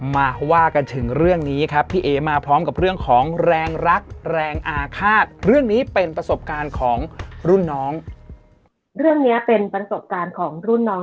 มาว่ากันถึงเรื่องนี้ครับพี่เอ๋มาพร้อมกับเรื่องของแรงรักแรงอาฆาตเรื่องนี้เป็นประสบการณ์ของรุ่นน้อง